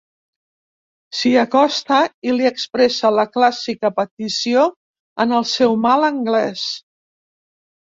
S'hi acosta i li expressa la clàssica petició en el seu mal anglès.